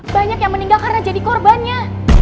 banyak yang meninggal karena jadi korbannya